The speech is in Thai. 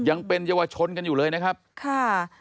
ยังเป็นเยาวชนกันอยู่เลยนะครับค่ะ